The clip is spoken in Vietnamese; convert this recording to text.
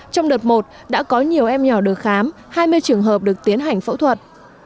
trong đợt một đã có nhiều em nhỏ được khám hai mươi trường hợp được tiến hành phẫu thuật